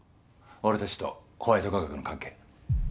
俺たちとホワイト化学の関係。